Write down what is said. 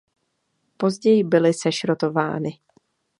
Později byly sešrotovány.